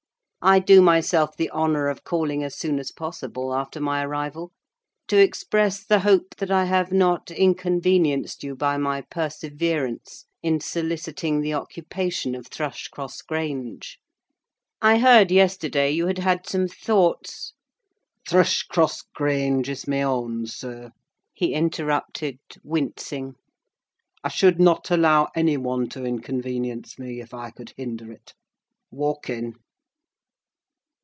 I do myself the honour of calling as soon as possible after my arrival, to express the hope that I have not inconvenienced you by my perseverance in soliciting the occupation of Thrushcross Grange: I heard yesterday you had had some thoughts—" "Thrushcross Grange is my own, sir," he interrupted, wincing. "I should not allow any one to inconvenience me, if I could hinder it—walk in!"